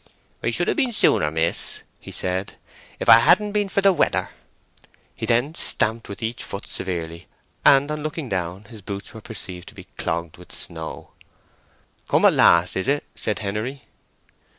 "I should have been sooner, miss," he said, "if it hadn't been for the weather." He then stamped with each foot severely, and on looking down his boots were perceived to be clogged with snow. "Come at last, is it?" said Henery.